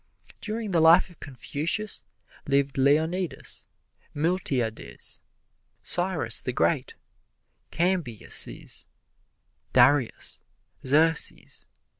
During the life of Confucius lived Leonidas, Miltiades, Cyrus the Great, Cambyses, Darius, Xerxes.